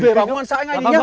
về bảo con sãi ngay đi nhá